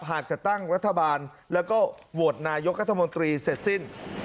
หากจะตั้งรัฐบาลแล้วก็โหวตนายกรัฐมนตรีเสร็จสิ้น